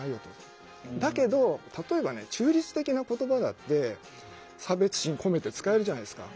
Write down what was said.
だけど例えばね中立的な言葉だって差別心込めて使えるじゃないですか。